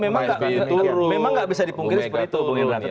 ya itu memang gak bisa dipungkiri seperti itu